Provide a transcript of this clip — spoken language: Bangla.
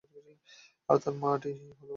আর তার মাটি হলো বালুময়।